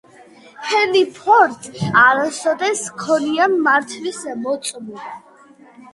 ჰენრი ფორდს არასოდეს ჰქონია მართვის მოწმობა